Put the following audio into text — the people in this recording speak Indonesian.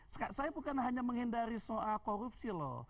saya bukan hanya menghindari soal korupsi loh